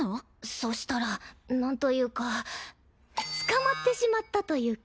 そしたらなんというか捕まってしまったというか。